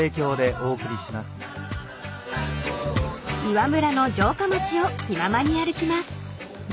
［岩村の城下町を気ままに歩きます］